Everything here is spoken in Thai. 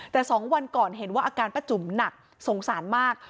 แต่๒วันก่อนเห็นว่าอาการป้าจุ๋มหนักสงสารมาก